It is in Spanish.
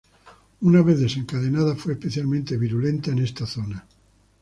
Una vez desencadenada, fue especialmente virulenta en esta zona.